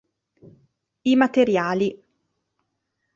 I materiali.